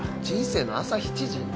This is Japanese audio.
人生の朝７時？